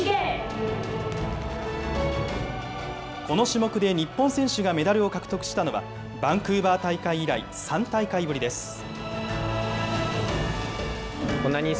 この種目で日本選手がメダルを獲得したのは、バンクーバー大会以来、３大会ぶりです。